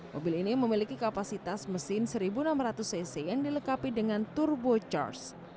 mobil ini memiliki kapasitas mesin seribu enam ratus cc yang dilengkapi dengan turbo charge